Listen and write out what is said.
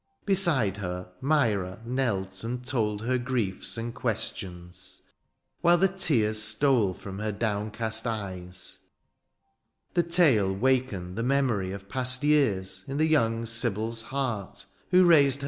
Beside her Myra knelt and told Her griefs and questions — ^while the tears Stole from her downcast eyes — ^the tale Wakened the memory of past years In the young SybiFs heart, who raised THE AREOPAGITE.